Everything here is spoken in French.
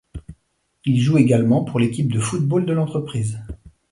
Il joue également pour l'équipe de football de l'entreprise.